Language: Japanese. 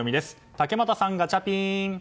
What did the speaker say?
竹俣さん、ガチャピン。